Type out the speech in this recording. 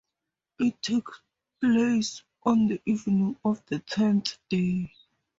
It takes place on the evening of the tenth day.